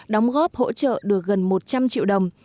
đóng góp hỗ trợ được gần một trăm linh triệu đồng